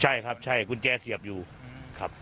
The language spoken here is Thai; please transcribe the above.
ใช่ครับใช่กุญแจเสียบอยู่ครับ